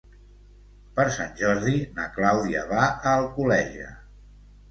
Per Sant Jordi na Clàudia va a Alcoleja.